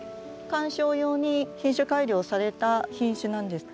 観賞用に品種改良された品種なんです。